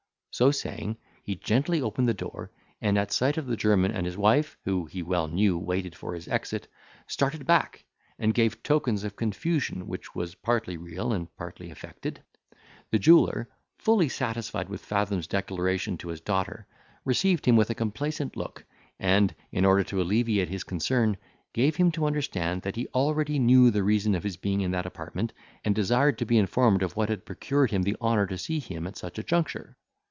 So saying, he gently opened the door, and, at sight of the German and his wife, who, he well knew, waited for his exit, started back, and gave tokens of confusion, which was partly real and partly affected. The jeweller, fully satisfied with Fathom's declaration to his daughter, received him with a complaisant look, and, in order to alleviate his concern, gave him to understand, that he already knew the reason of his being in that apartment, and desired to be informed of what had procured him the honour to see him at such a juncture.